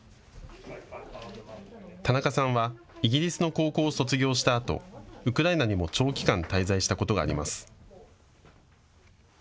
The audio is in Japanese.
田中さんはイギリスの高校を卒業したあとウクライナにも長期間、滞在したことがあります。